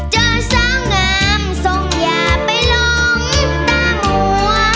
เจอสาวงามทรงอย่าไปหลงตาหมัว